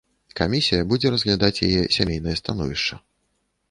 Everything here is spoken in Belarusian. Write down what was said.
Камісія будзе разглядаць яе сямейнае становішча.